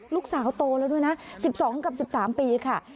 ลูกสาวโตแล้วด้วยนะ๑๒กับ๑๓ปีค่ะ